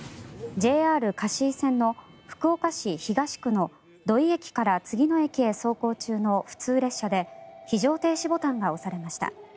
ＪＲ香椎線の福岡市東区の土井駅から次の駅へ走行中の普通列車で非常停止ボタンが押されました。